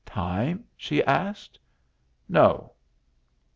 "Time?" she asked. "No."